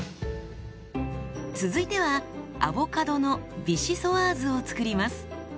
続いてはアボカドのビシソワーズを作ります。